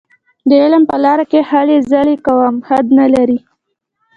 د علم په لاره کې هلې ځلې کوم حد نه لري.